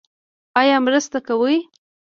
ایا مرسته کوئ؟